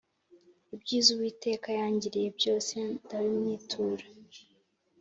Ibyiza Uwiteka yangiriye byose Ndabimwitura